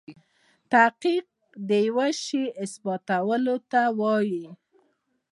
تحقیق دیوه شي اثباتولو ته وايي.